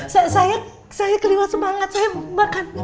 saya kelihatan semangat